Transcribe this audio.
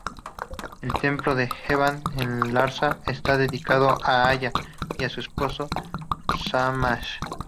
El templo E.babbar, en Larsa, está dedicado a Aya y a su esposo Shamash.